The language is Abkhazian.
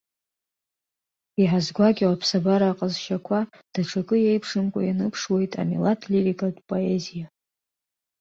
Иҳазгәакьоу аԥсабара аҟазшьақәа даҽакы еиԥшымкәа ианыԥшуеит амилаҭ-лирикатә поезиа.